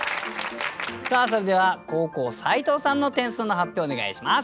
さあそれでは後攻斉藤さんの点数の発表をお願いします。